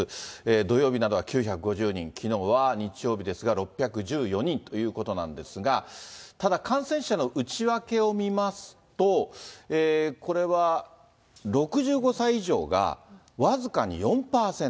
土曜日などは９５０人、きのうは日曜日ですが６１４人ということなんですが、ただ感染者の内訳を見ますと、これは６５歳以上が僅かに４％。